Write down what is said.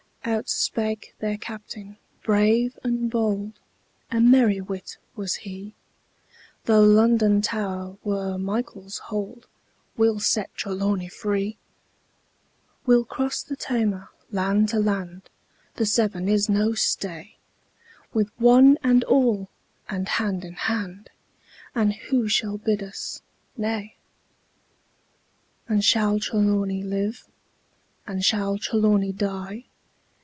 Out spake their Captain brave and bold: A merry wight was he: Though London Tower were Michael's hold, We'll set Trelawny free! We'll cross the Tamar, land to land: The Severn is no stay: With "one and all," and hand in hand; And who shall bid us nay? And shall Trelawny live? Or shall Trelawny die?